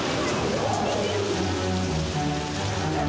siap siap buang buang kan